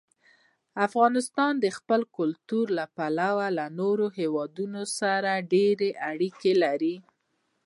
افغانستان د خپل کلتور له پلوه له نورو هېوادونو سره ډېرې اړیکې لري.